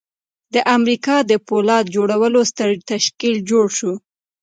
د امریکا د پولاد جوړولو ستر تشکیل جوړ شو